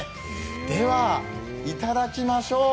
では、いただきましょう。